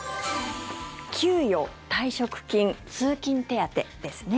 給与、退職金、通勤手当ですね。